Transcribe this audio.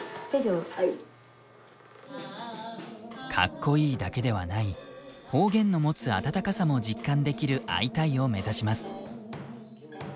かっこいいだけではない方言の持つ温かさも実感できる「アイタイ！」を目指します。